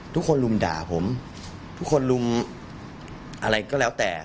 ทุกคนลุมด่าผมทุกคนลุมอะไรก็แล้วแต่